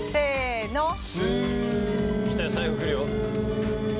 来たよ最後来るよ。